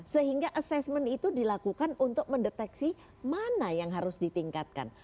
sehingga assessment itu dilakukan untuk mendeteksi mana yang harus ditingkatkan